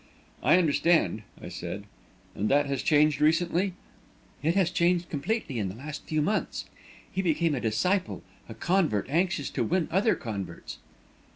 "I understand," I said. "And that has changed recently?" "It has changed completely in the last few months. He became a disciple, a convert anxious to win other converts."